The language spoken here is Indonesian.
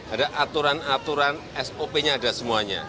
ada aturan aturan sop nya ada semuanya